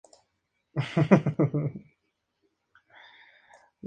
La ronda final tampoco.